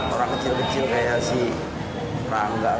orang kecil kecil kayak sih rangga